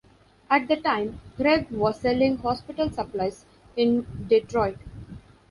At the time, Greg was selling hospital supplies in Detroit.